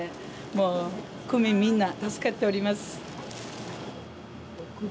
もう区民みんな助かっております。